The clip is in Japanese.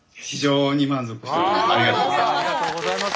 ありがとうございます。